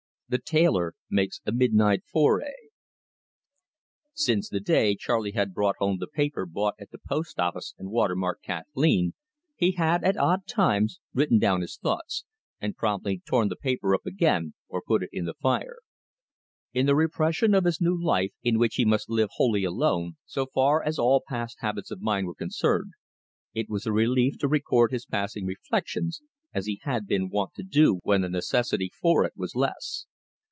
THE TAILOR MAKES A MIDNIGHT FORAY Since the day Charley had brought home the paper bought at the post office, and water marked Kathleen, he had, at odd times, written down his thoughts, and promptly torn the paper up again or put it in the fire. In the repression of the new life, in which he must live wholly alone, so far as all past habits of mind were concerned, it was a relief to record his passing reflections, as he had been wont to do when the necessity for it was less.